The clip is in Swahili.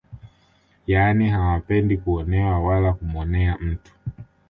Yaani hawapendi kuonewa wala kumuonea mtu